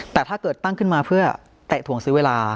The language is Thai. แต่ถ้าเกิดตั้งขึ้นมาเพื่อเตะถ่วงซื้อเวลา